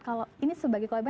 kalau ini sebuah keputusan